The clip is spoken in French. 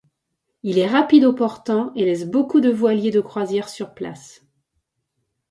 Il est rapide au portant et laisse beaucoup de voiliers de croisière sur place.